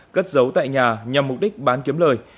cất giấu tại nhà nhằm mục đích bán kiếm lời